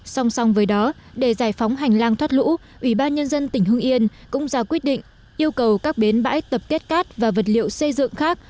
song song với đó để giải phóng hành lang thoát lũ ủy ban nhân dân tỉnh hưng yên cũng ra quyết định yêu cầu các bến bãi tập kết cát và vật liệu xây dựng khác